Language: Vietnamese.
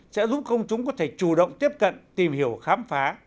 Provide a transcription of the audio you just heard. sẽ giúp công chúng có thể chủ động tiếp cận tìm hiểu khám phá